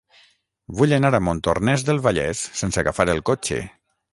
Vull anar a Montornès del Vallès sense agafar el cotxe.